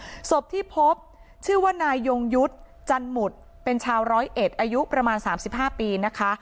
ส่วนศพที่พบชื่อว่านายยงยุทธ์จันหมุดเป็นชาวร้อยเอ็ดอายุประมาณสามสิบห้าปีนะคะ